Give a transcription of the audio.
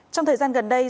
trong thời gian gần đây